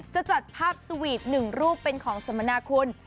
จะจัดภาพสวีตหนึ่งรูปเป็นของสมณะคุณ